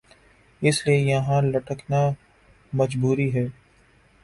اس لئے یہان لٹکنا مجبوری ہے